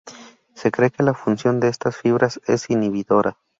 Se cree que la función de estas fibras es inhibidora.